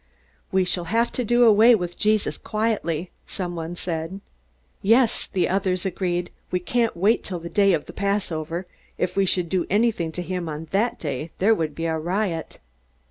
"We shall have to do away with Jesus quietly," someone said. "Yes," the others agreed, "we can't wait till the day of the Passover. If we should do anything to him on that day, there would be a riot."